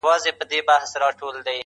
چي تلاوت وي ورته خاندي، موسيقۍ ته ژاړي,